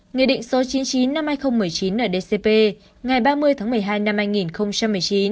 nghị định số chín mươi chín năm hai nghìn một mươi chín ndcp ngày ba mươi tháng một mươi hai năm hai nghìn một mươi chín